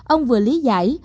ông vừa lý giải